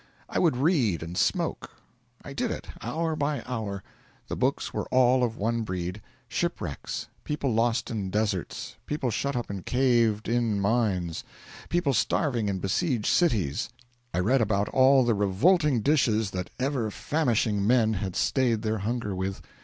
I would read and smoke. I did it; hour by hour. The books were all of one breed shipwrecks; people lost in deserts; people shut up in caved in mines; people starving in besieged cities. I read about all the revolting dishes that ever famishing men had stayed their hunger with.